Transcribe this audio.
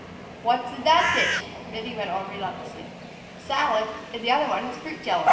"What is in that dish?" Minnie went on relentlessly. "Salad, and the other one has fruit jello."